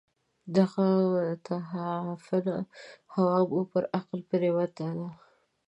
دغه متعفنه هوا مو پر عقل پرېوته ده.